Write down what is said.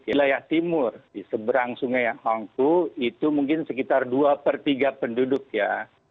wilayah timur di seberang sungai hongku itu mungkin sekitar dua per tiga penduduk ya